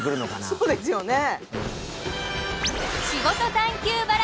そうですよね。